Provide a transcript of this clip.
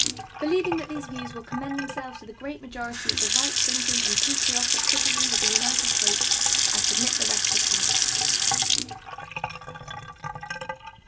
Believing that these views will commend themselves to the great majority of the right thinking and patriotic citizens of the United States, I submit the rest to Congress.